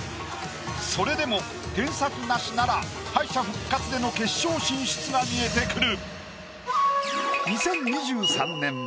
それでも添削なしなら敗者復活での決勝進出が見えてくる。